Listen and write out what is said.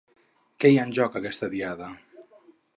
Què hi ha en joc aquesta Diada?